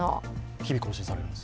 日々更新されるんです。